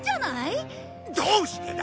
どうしてだ！？